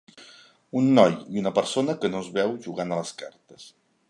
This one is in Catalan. Un noi i una persona que no es veu jugant a les cartes.